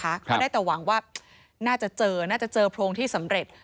ก็ได้แต่หวังว่าน่าจะเจอน่าจะเจอโพรงที่สำเร็จ